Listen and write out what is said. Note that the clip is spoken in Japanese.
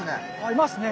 いますね。